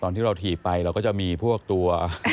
ที่เราถีบไปเราก็จะมีพวกตัว